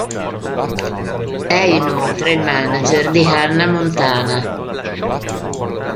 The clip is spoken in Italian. È inoltre il manager di Hannah Montana.